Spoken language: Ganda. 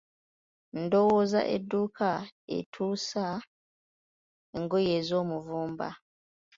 Ndowooza edduuka etuusa engoye ez'omuvumba.